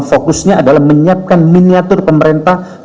fokusnya adalah menyiapkan miniatur pemerintah